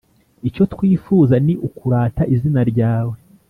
icyo twifuza, ni ukurata izina ryawe.